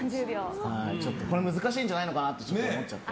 これは難しいじゃないかなと思っちゃって。